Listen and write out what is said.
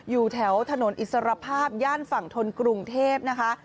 อยู่แถวถนนอิสรภาพย่านฝั่งทนกรุงเทพนะคะ